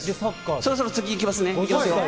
そろそろ次行きますね。